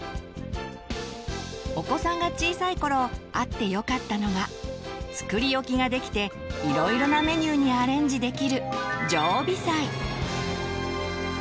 お子さんが小さい頃あってよかったのが作り置きができていろいろなメニューにアレンジできる「常備菜」。